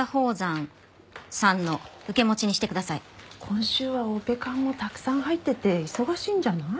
今週はオペ看もたくさん入ってて忙しいんじゃない？